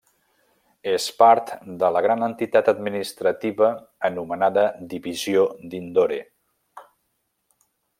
És part de la gran entitat administrativa anomenada Divisió d'Indore.